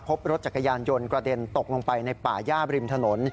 พบรถจักรยานยนต์กระเด็นตกลงไปในป่าย่าบริมถนน